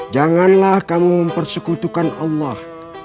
janganlah kamu mempersekutukan allah